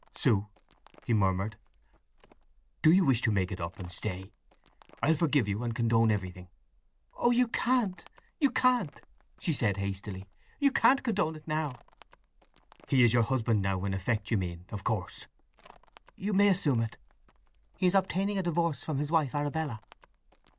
"Sue," he murmured, "do you wish to make it up, and stay? I'll forgive you and condone everything!" "Oh you can't, you can't!" she said hastily. "You can't condone it now!" "He is your husband now, in effect, you mean, of course?" "You may assume it. He is obtaining a divorce from his wife Arabella."